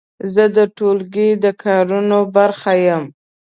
زه د ټولګي د کارونو برخه یم.